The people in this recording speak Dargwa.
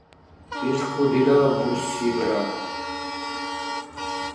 Иш хъу дила бурсибра!